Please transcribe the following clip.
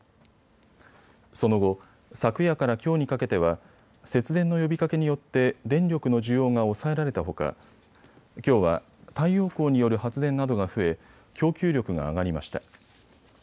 その後、昨夜からきょうにかけては節電の呼びかけによって電力の需要が抑えられたほかきょうは太陽光による発電などが増え、供給力が上がりました。